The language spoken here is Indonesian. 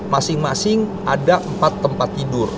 masing masing ada empat tempat tidur